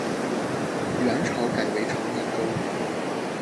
元朝改为长宁州。